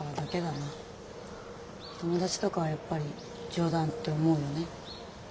友達とかはやっぱり冗談って思うよね。